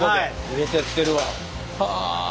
入れてってるわ。